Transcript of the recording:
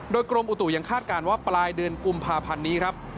โดยกรมอุตุยังคาดการณ์ว่าปลายเดือนกุมภาพันธ์นี้ครับ